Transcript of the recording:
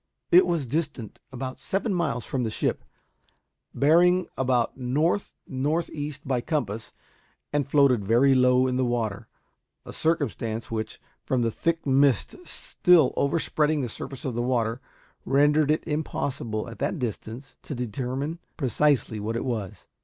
It was distant about seven miles from the ship, bearing about north north east by compass, and floated very low in the water; a circumstance which, from the thick mist still overspreading the surface of the water, rendered it impossible at that distance to determine precisely what it was.